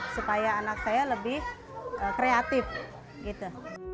supaya anak saya lebih kreatif gitu